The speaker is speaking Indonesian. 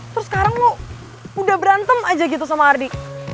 terus sekarang mau udah berantem aja gitu sama ardi